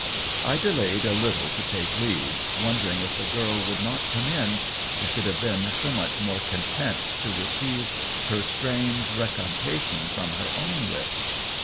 I delayed a little to take leave, wondering if the girl would not come in — I should have been so much more content to receive her strange recan tation from her own lips.